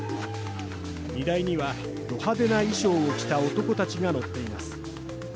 荷台にはド派手な衣装を着た男たちが乗っています。